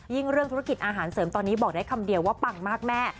เรื่องธุรกิจอาหารเสริมตอนนี้บอกได้คำเดียวว่าปังมากแม่